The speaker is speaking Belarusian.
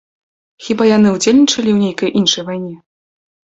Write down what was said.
Хіба яны ўдзельнічалі ў нейкай іншай вайне?